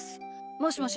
もしもし？